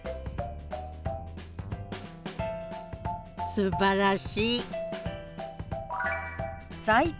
すばらしい！